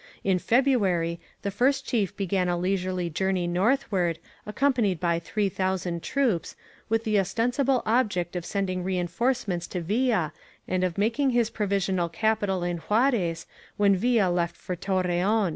In February the First Chief began a leisurely journey northward, ac companied by 3,000 troops, with the ostensible object of sending reinforcements to ViUa and of making his provisional capital in Juarez when Villa left for Tor reon.